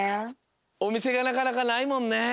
おみせがなかなかないもんね！